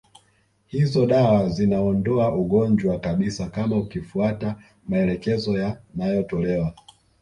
Hizo dawa zinaondoa ugonjwa kabisa kama ukifuata maelekezo yanayotolewa